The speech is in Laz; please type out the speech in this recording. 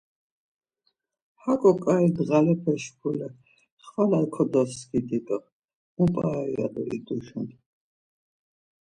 Haǩo ǩai dǧalepe şkule, xvala kodoskidi do mu p̌are ya do iduşun.